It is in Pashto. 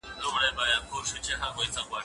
ته څه ږغ اورې.